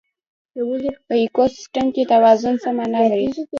په ایکوسیستم کې توازن څه مانا لري؟